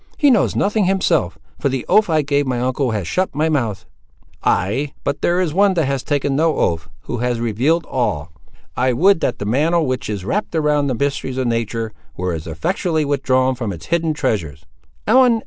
—he knows nothing, himself; for the oath I gave my uncle has shut my mouth." "Ay, but there is one that has taken no oath, who has revealed all. I would that the mantle which is wrapped around the mysteries of nature, were as effectually withdrawn from its hidden treasures! Ellen!